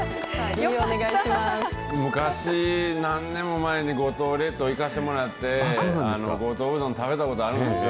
昔、何年も前に、五島列島、行かせてもらって、五島うどん食べたことあるんですよ。